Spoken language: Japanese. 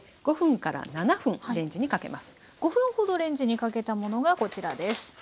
５分ほどレンジにかけたものがこちらです。